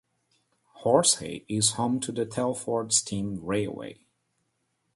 Horsehay is home to the Telford Steam Railway.